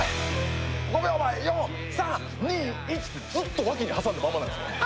「５秒前４３２１」ってずっと脇に挟んだままなんですよ。